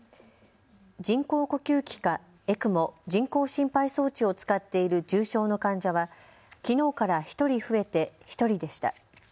人工呼吸器かＥＣＭＯ・人工心肺装置を使っている重症の患者はきのうから１人増えて１人でした。